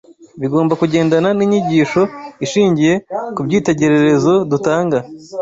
bigomba kugendana n’inyigisho ishingiye ku byitegererezo dutanga